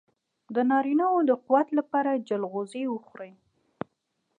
د نارینه وو د قوت لپاره چلغوزي وخورئ